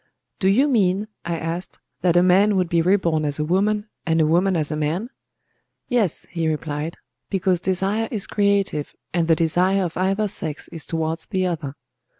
"Do you mean," I asked, "that a man would be reborn as a woman, and a woman as a man?" "Yes," he replied, "because desire is creative, and the desire of either sex is towards the other."